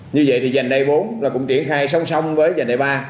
như vậy thì dành đại bốn cũng triển khai song song với dành đại ba